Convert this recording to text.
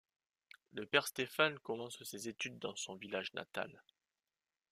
Le père Stefan commence ses études dans son village natal.